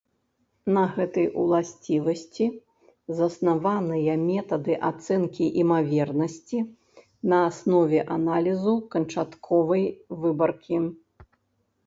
На гэтай уласцівасці заснаваныя метады ацэнкі імавернасці на аснове аналізу канчатковай выбаркі.